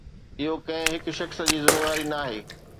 اهو ڪنهن هڪ شخص جي ذميواري ناهي.